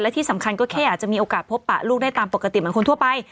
ที่สำคัญก็แค่อาจจะมีโอกาสพบปะลูกได้ตามปกติเหมือนคนทั่วไป